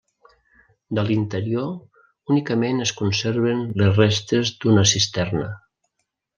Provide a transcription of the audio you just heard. De l'interior únicament es conserven les restes d'una cisterna.